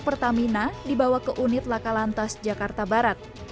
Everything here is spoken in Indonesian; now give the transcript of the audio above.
pertamina dibawa ke unit laka lantas jakarta barat